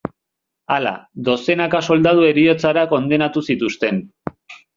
Hala, dozenaka soldadu heriotzara kondenatu zituzten.